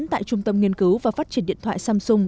tại trung tâm nghiên cứu và phát triển điện thoại samsung